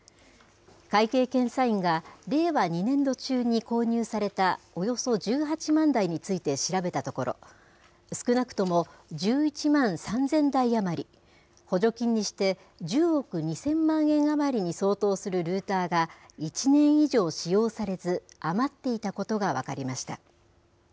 会計検査院が、令和２年度中に購入されたおよそ１８万台について調べたところ、少なくとも１１万３０００台余り、補助金にして１０億２０００万円余りに相当するルーターが、１年以上使用されず、余っていたことが分かりました。